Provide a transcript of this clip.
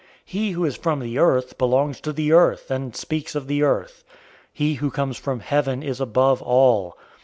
He who is from the Earth belongs to the Earth, and speaks of the Earth. He who comes from heaven is above all.